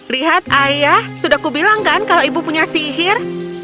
lihat ayah sudah kubilangkan kalau ibu punya sihir